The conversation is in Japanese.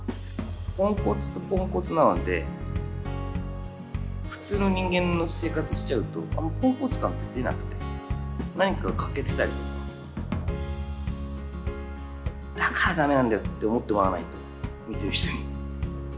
ポンコツとポンコツなので、普通の人間の生活しちゃうと、あまりポンコツ感って出なくて、何か欠けてたりとか、だからだめなんだよって思ってもらわないと、見ている人に。